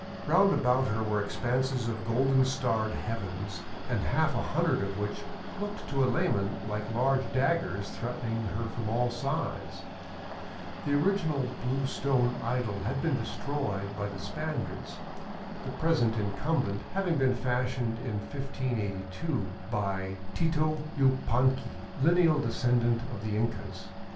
Round about her were expanses of golden starred heavens, and half 490 THE COLLASUYU, OR " UPPER " PERU a hundred of what looked to a layman like large daggers threatened her from all sides. The original blue stone idol had been destroyed by the Spaniards, the present incumbent having been fashioned in 1582 by Tito Yupanqui, lineal descendant of the Incas.